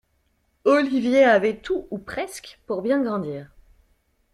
Olivier avait tout, ou presque, pour bien grandir.